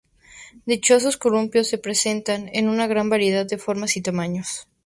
Dichos columpios se presentan en una gran variedad de formas y tamaños.